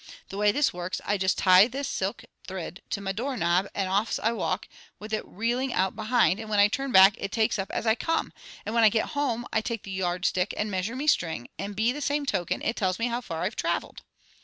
The way this works, I just tie this silk thrid to me door knob and off I walks, it a reeling out behind, and whin I turn back it takes up as I come, and whin I get home I take the yardstick and measure me string, and be the same token, it tells me how far I've traveled."